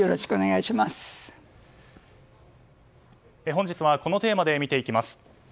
本日はこのテーマで見ていきます。